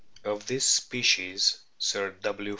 Of this species Sir W.